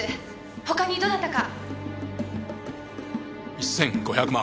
１千５００万。